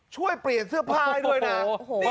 ช่วยเปลี่ยนเสื้อผ้าให้ด้วยนะ